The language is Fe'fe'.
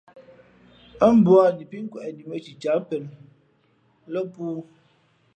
Ά mbūαni pí nkweꞌni mᾱ cicǎh pen lά pōō.